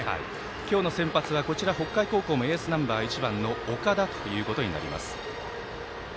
今日の先発は北海高校のエースナンバー１番の岡田となります。